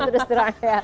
terus terang ya